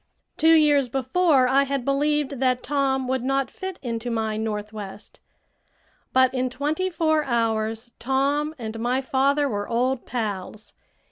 Two years before I had believed that Tom would not fit into my Northwest. But in twenty four hours Tom and my father were old pals.